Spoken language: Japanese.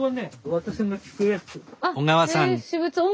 私の聴くやつ。